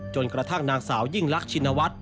กระทั่งนางสาวยิ่งลักชินวัฒน์